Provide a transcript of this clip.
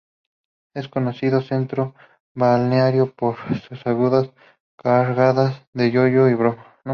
Es un conocido centro balneario por sus aguas cargadas de yodo y bromo.